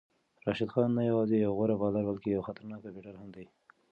راشد خان نه یوازې یو غوره بالر بلکې یو خطرناک بیټر هم دی.